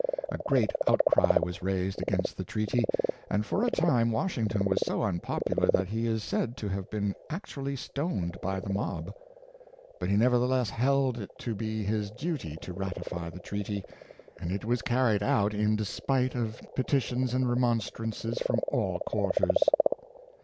A great out cry was raised against the treaty, and for a time Wash ington was so unpopular that he is said to have been actually stoned by the mob. But he nevertheless held it to be his duty to ratify the treaty ; and it was carried out in despite of petitions and remonstrances from all quarters.